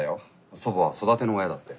祖母は育ての親だって。